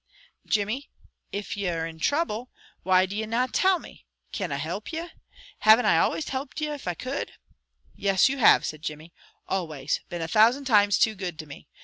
"Jimmy, if ye are in trouble, why do ye na tell me? Canna I help ye? Have'nt I always helped ye if I could?" "Yes, you have," said Jimmy. "Always, been a thousand times too good to me.